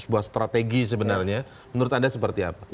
sebuah strategi sebenarnya menurut anda seperti apa